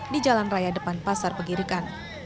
di jalan raya depan pasar pegirikan